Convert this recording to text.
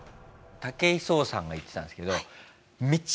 武井壮さんが言ってたんですけど。